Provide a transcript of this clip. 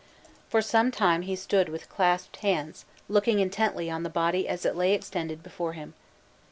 For some time he stood with clasped hands, looking intently on the body as it lay extended before him.